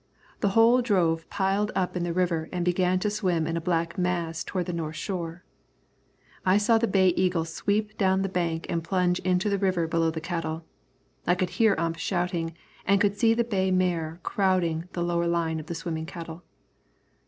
The whole drove piled up in the river and began to swim in a black mass toward the north shore. I saw the Bay Eagle sweep down the bank and plunge into the river below the cattle. I could hear Ump shouting, and could see the bay mare crowding the lower line of the swimming cattle.